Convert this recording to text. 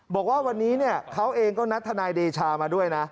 บอกว่าวันนี้เขาเองก็นัดทนายเดชามาด้วยนะ